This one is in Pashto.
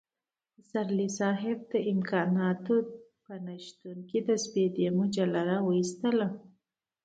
پسرلی صاحب د امکاناتو په نشتون کې د سپېدې مجله را وايستله.